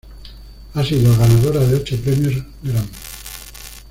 Ha sido ganadora de ocho premios Grammy.